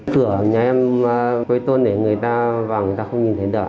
cửa nhà em với tôn để người ta vào người ta không nhìn thấy được